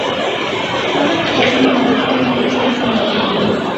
سړک ښارونه او کلیو سره نښلوي.